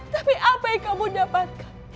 tapi apa yang kamu dapatkan